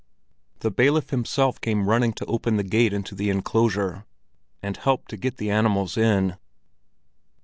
The bailiff himself came running to open the gate into the enclosure, and helped to get the animals in.